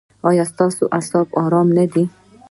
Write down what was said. ایا ستاسو اعصاب ارام نه دي؟